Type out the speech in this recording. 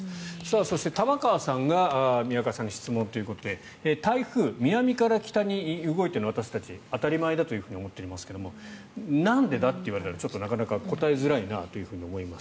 そして玉川さんが宮川さんに質問ということで台風、南から北に動いているのを私たちは当たり前だと思っていますがなんでだ？といわれたらちょっと答えづらいなと思います。